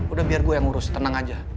udah biar gue yang ngurus tenang aja